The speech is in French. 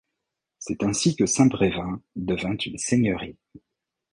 C'est ainsi que Saint-Brevin devient une seigneurie.